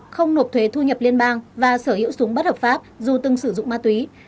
không nộp thuế thu nhập liên bang và sở hữu súng bất hợp pháp dù từng sử dụng ma túy